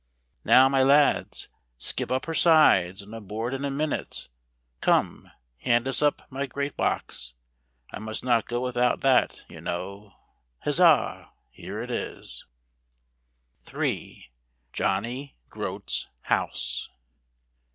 Now, my lads, skip up her sides, and aboard in a minute. Come, hand us up my great box; I must not go without that, you know. Huzza! here it is. 3. Johnny Groatfs House.